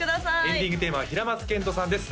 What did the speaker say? エンディングテーマは平松賢人さんです